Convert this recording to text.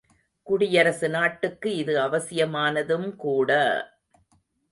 குடியரசு நாட்டுக்கு இது அவசியமானதும் கூட!